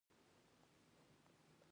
زه په غني کې دا ځواک نه وینم.